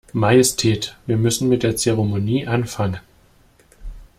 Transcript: Majestät, wir müssen mit der Zeremonie anfangen.